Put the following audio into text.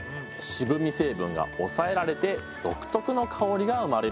渋み成分が抑えられて独特の香りが生まれるんだそうです。